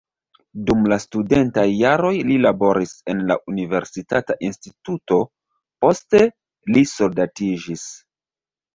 Dum la studentaj jaroj li laboris en la universitata instituto, poste li soldatiĝis.